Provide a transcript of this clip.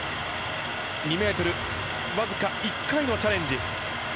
２ｍ、わずか１回のチャレンジ。